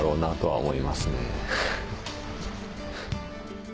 はい。